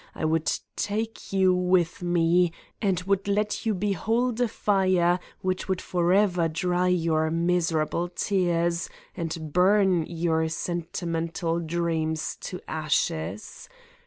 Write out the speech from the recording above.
I would take you with me and would let you behold a fire which would forever dry your miserable tears and burn your sentimental dreams to ashes!